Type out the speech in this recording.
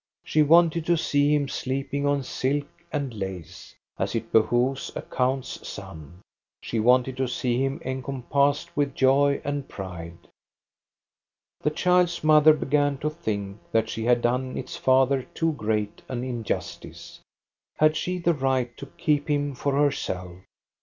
She wanted to see him sleeping on silk and lace, as it behoves a count's son. She wanted to see him encompassed with joy and pride. The child's mother began to think that she had done its father too great an injustice. Had she the right to keep him for herself?